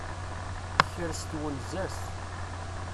Tekres twenza-s.